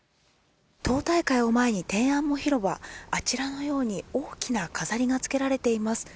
党大会を前に、天安門広場、あちらのように、大きな飾りがつけられています。